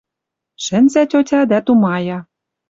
Шӹнзӓ тьотя дӓ тумая: